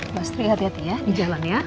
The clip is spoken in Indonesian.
pasti hati hati ya di jalan ya